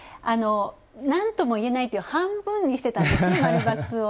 なんともいえないという半分にしてたんですね、○×を。